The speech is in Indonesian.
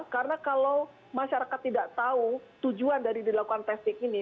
karena kalau masyarakat tidak tahu tujuan dari dilakukan testing ini